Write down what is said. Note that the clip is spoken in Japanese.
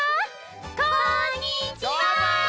こんにちは！